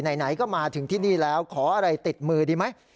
ไหนก็มาถึงที่นี่แล้วขออะไรติดมือดีไหม